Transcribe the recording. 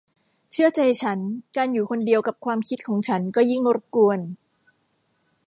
เชื่อใจฉันการอยู่คนเดียวกับความคิดของฉันก็ยิ่งรบกวน